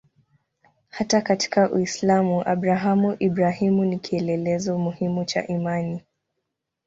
Hata katika Uislamu Abrahamu-Ibrahimu ni kielelezo muhimu cha imani.